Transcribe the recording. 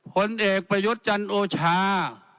ผลเอกประยุทธ์จันโอชา